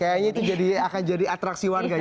kayaknya itu akan jadi atraksi warga ya